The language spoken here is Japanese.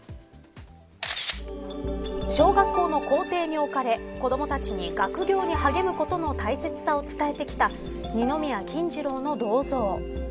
小学校の校庭に置かれ子どもたちに学業に励むことの大切さを伝えてきた二宮金次郎の銅像。